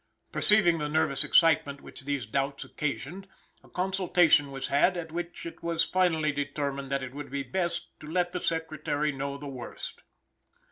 Perceiving the nervous excitement which these doubts occasioned, a consultation was had, at which it was finally determined that it would be best to let the secretary know the worst.